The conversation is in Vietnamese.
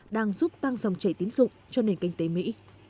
đang giúp tăng dòng chảy tín dụng cho nền kinh tế mỹ